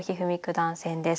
段戦です。